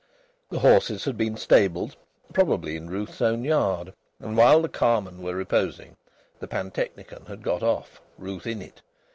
The horses had been stabled, probably in Ruth's own yard, and while the carmen were reposing the pantechnicon had got off, Ruth in it.